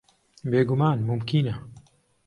بێگومان، مومکینە.